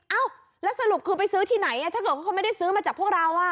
เอ้าแล้วสรุปคือไปซื้อที่ไหนถ้าเกิดเขาไม่ได้ซื้อมาจากพวกเรา